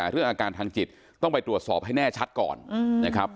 เรื่องอาการทางจิตต้องไปตรวจสอบให้แน่ชัดก่อนนะครับ